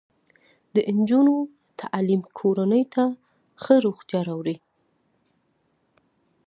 د نجونو تعلیم کورنۍ ته ښه روغتیا راوړي.